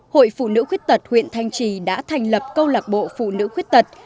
hội phụ nữ khuyên tật huyện thanh trì đã thành lập câu lạc bộ phụ nữ khuyên tật